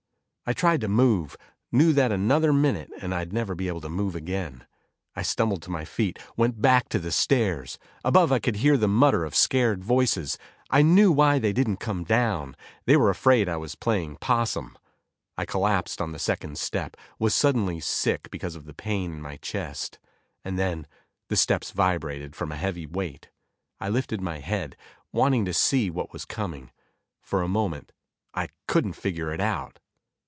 I tried to move, knew that another minute and I'd never be able to move again. I stumbled to my feet, went back to the stairs. Above, I could hear the mutter of scared voices. I knew why they didn't come down; they were afraid I was playing possum. I collapsed on the second step, was suddenly sick because of the pain in my chest. And then, the steps vibrated from a heavy weight. I lifted my head, wanting to see what was coming. For a moment, I couldn't figure it out.